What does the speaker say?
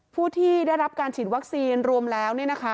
ผู้ที่ได้รับการฉีดวัคซีนรวมแล้ว